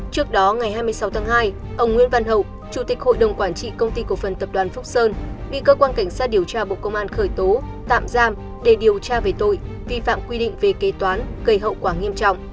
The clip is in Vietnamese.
trước đó ngày hai mươi sáu tháng hai ông nguyễn văn hậu chủ tịch hội đồng quản trị công ty cổ phần tập đoàn phúc sơn bị cơ quan cảnh sát điều tra bộ công an khởi tố tạm giam để điều tra về tội vi phạm quy định về kế toán gây hậu quả nghiêm trọng